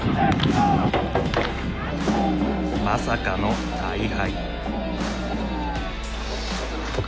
まさかの大敗。